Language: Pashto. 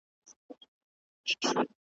هتکړۍ به دي تل نه وي .